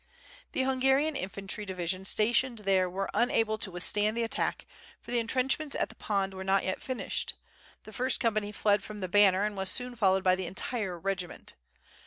The Hungarian infantry division stationed WITH FIRE AND SWORD, yn there were unable to withstand the attack, for the entrench ments at the pond were not yet finished; the first company fled from the banner and was soon followed by the entire regiment.